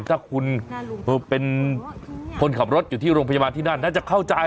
ถ้าคุณเป็นคนขับรถอยู่ที่โรงพยาบาลที่นั่นน่าจะเข้าใจ